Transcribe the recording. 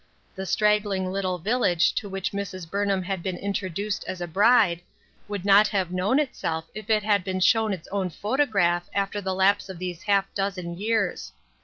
The straggling little village to which Mrs. Burnham had been introduced as a bride, would not have known itself if it had been shown its own photograph after the lapse of these half dozen years.